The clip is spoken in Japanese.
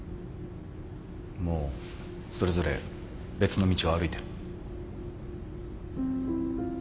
もうそれぞれ別の道を歩いてる。